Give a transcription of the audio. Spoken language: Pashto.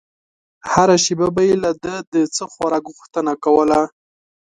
هره شېبه به يې له ده د څه خوراک غوښتنه کوله.